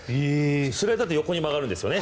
スライダーって横に曲がるんですよね。